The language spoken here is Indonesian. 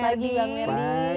selamat pagi bang merdi